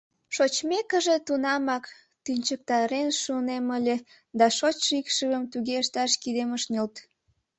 Шочмекыже, тунамак тӱнчыктарен шуынем ыле, да шочшо икшывым туге ышташ кидем ыш нӧлт...